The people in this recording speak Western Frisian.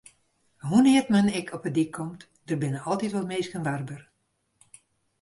Hoenear't men ek op 'e dyk komt, der binne altyd wol minsken warber.